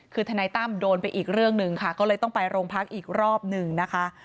คือทนายตั้มโดนไปอีกเรื่องหนึ่งค่ะก็เลยต้องไปโรงพักอีกรอบหนึ่งนะคะ